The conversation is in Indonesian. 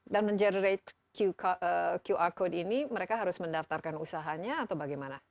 dan men generate qr code ini mereka harus mendaftarkan usahanya atau bagaimana